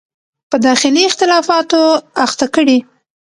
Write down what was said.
په داخلي اختلافاتو اخته کړي.